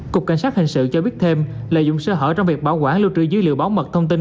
cục cảnh sát hình sự cho biết thêm lợi dụng sơ hở trong việc bảo quản lưu trữ dữ liệu bảo mật thông tin